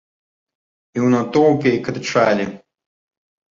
І ў натоўпе крычалі.